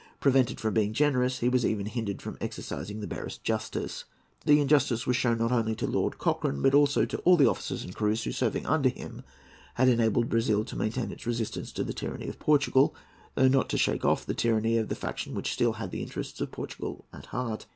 Prevented from being generous, he was even hindered from exercising the barest justice. The injustice was shown not only to Lord Cochrane, but also to all the officers and crews who, serving under him, had enabled Brazil to maintain its resistance to the tyranny of Portugal, though not to shake off the tyranny of the faction which still had the interests of Portugal at heart.